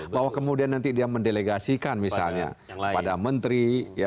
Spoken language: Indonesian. bahwa kemudian nanti dia mendelegasikan misalnya pada menteri